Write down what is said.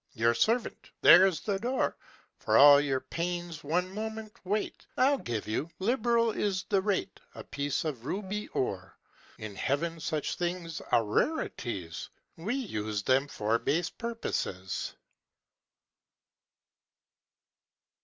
Your servant! there's the door! For all your pains one moment wait! I'll give you liberal is the rate A piece of ruby ore. In heaven such things are rareties; We use them for base purposes."